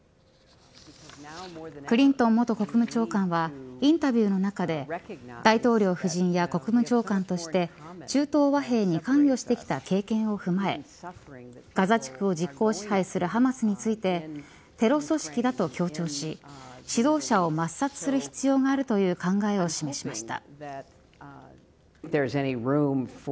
クリントン元国務長官はインタビューの中で大統領夫人や国務長官として中東和平に関与してきた経験を踏まえガザ地区を実効支配するハマスについてテロ組織だと強調し指導者を抹殺する必要があるという考え方を示しました。